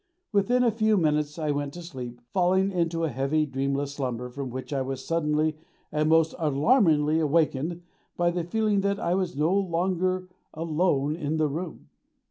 Within a few minutes I went to sleep, falling into a heavy, dreamless slumber from which I was suddenly and most alarmingly awakened by the feeling I was no longer alone in the room.